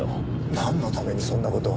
なんのためにそんな事を。